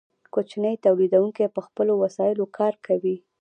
کوچني تولیدونکي په خپلو وسایلو کار کوي.